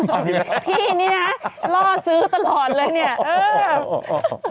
เจ้าพี่นี่นะล่อซื้อตลอดเลยเนี่ย